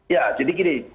ya jadi gini